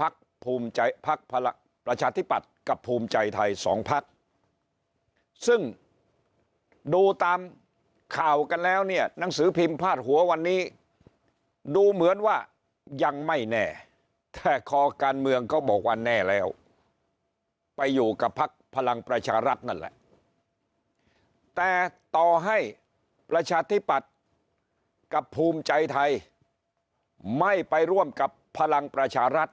พักภูมิใจพักประชาธิปัตย์กับภูมิใจไทยสองพักซึ่งดูตามข่าวกันแล้วเนี่ยหนังสือพิมพ์พาดหัววันนี้ดูเหมือนว่ายังไม่แน่แต่คอการเมืองก็บอกว่าแน่แล้วไปอยู่กับพักพลังประชารัฐนั่นแหละแต่ต่อให้ประชาธิปัตย์กับภูมิใจไทยไม่ไปร่วมกับพลังประชารัฐ